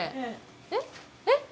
えっ、えっ。